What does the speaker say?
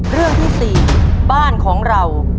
อ๋อเรื่องที่สี่บ้านของเรา